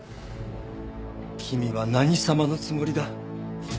君は何様のつもりだ？